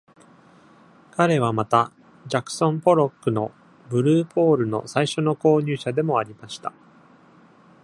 彼はまた、ジャクソン・ポロックのブルーポールの最初の購入者でもありました。